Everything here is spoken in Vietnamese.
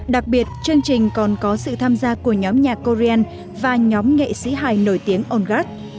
đặc biệt chương trình còn có sự tham gia của nhóm nhạc koryan và nhóm nghệ sĩ hài nổi tiếng orldard